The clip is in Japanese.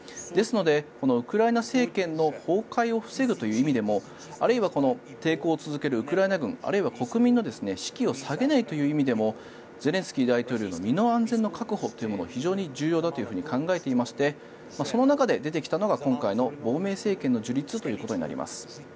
ですので、ウクライナ政権の崩壊を防ぐという意味でもあるいは抵抗を続けるウクライナ軍あるいは国民の士気を下げないという意味でもゼレンスキー大統領の身の安全の確保が非常に重要だと考えていましてその中で出てきたのが今回の亡命政権の樹立ということになります。